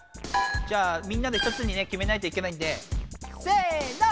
じゃあみんなで１つにねきめないといけないんでせの！